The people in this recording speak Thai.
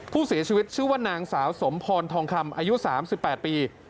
ผู้เสียชีวิตชื่อว่านางสาวสมพรทองคำอายุ๓๘ปี